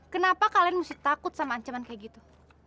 kenapa kalian mesti takut sama ancaman kayak gitu